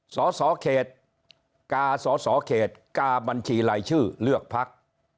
สสเขตกาสสเขตกาบัญชีรายชื่อเลือกพัก